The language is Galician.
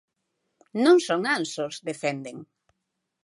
Non son anxos, defenden.